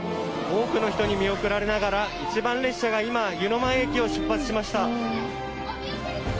多くの人に見送られながら一番列車が今湯前駅を出発しました。